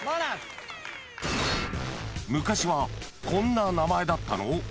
［昔はこんな名前だったの？］